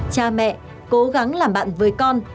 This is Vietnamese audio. cha mẹ cố gắng làm bạn với con